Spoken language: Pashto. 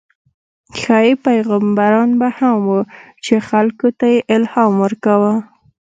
ښايي پیغمبران به هم وو، چې خلکو ته یې الهام ورکاوه.